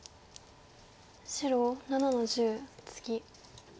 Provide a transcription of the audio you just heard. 白７の十ツギ。